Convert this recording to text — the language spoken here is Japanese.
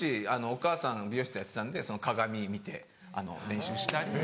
お母さん美容室やってたんでその鏡見て練習したり。